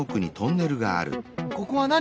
ここは何？